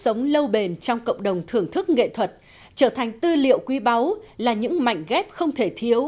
sống lâu bền trong cộng đồng thưởng thức nghệ thuật trở thành tư liệu quý báu là những mảnh ghép không thể thiếu